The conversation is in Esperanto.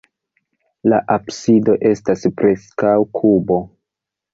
La absido estas preskaŭ kubo.